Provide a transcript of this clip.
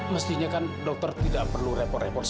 mestinya kan dokter tidak perlu berkata kata